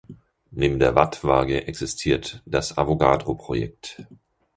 Neben der Watt-Waage existiert das Avogadro-Projekt.